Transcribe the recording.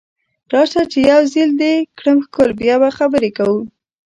راشه چې یو ځل دې کړم ښکل بیا به خبرې کوو